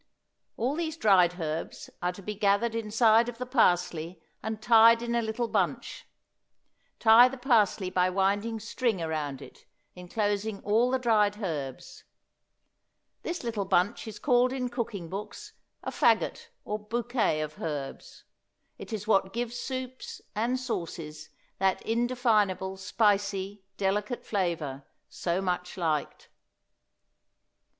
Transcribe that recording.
All these dried herbs are to be gathered inside of the parsley and tied in a little bunch; tie the parsley by winding string around it, inclosing all the dried herbs; this little bunch is called in cooking books a fagot or bouquet of herbs; it is what gives soups and sauces that indefinable spicy, delicate flavor so much liked.